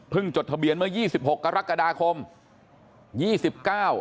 จดทะเบียนเมื่อยี่สิบหกกรกฎาคมยี่สิบเก้า